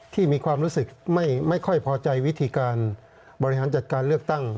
มีความรู้สึกไม่ค่อยพอใจวิธีการบริหารจัดการเลือกตั้ง